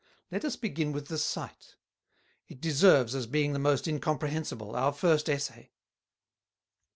Let us begin with the Sight. It deserves, as being the most incomprehensible, our first Essay.